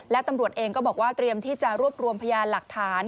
และตำรวจเองก็บอกว่าเตรียมที่จะรวบรวมพยานหลักฐาน